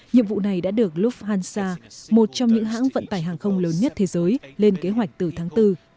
nhiệm vụ này đã được lufthansa một trong những hãng vận tải hàng không lớn nhất thế giới lên kế hoạch từ tháng bốn